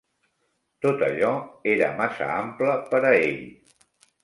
Tot allò era massa ample per a ell